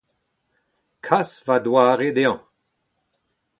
Kas ma doare dezhañ.